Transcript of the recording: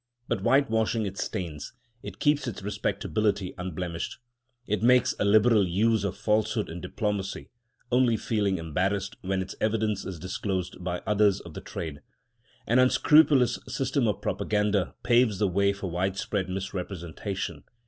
By whitewashing its stains it keeps its respectability unblemished. It makes a liberal use of falsehood in diplomacy, only feeling embarrassed when its evidence is disclosed by others of the trade. An unscrupulous system of propaganda paves the way for widespread misrepresentation.